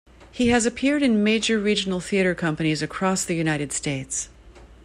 He has appeared in major regional theater companies across the United States.